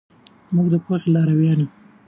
موږ د پوهې لارویان یو.